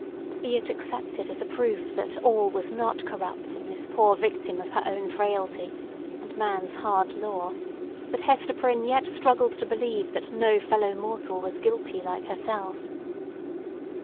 Be it accepted as a proof that all was not corrupt in this poor victim of her own frailty, and man's hard law, that Hester Prynne yet struggled to believe that no fellow mortal was guilty like herself.